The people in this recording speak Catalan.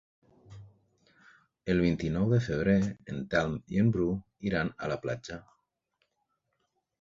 El vint-i-nou de febrer en Telm i en Bru iran a la platja.